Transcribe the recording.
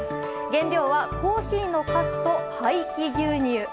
原料はコーヒーのかすと廃棄牛乳。